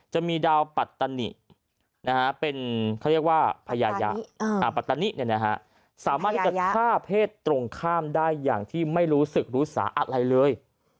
จะมีดาวปัตตานิเป็นพยายะสามารถกระท่าเพศตรงข้ามได้อย่างที่ไม่รู้สึกรู้สาอัดอะไรเลย